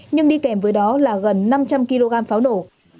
nhưng đi kèm với đó là gần năm trăm linh kg pháo nổ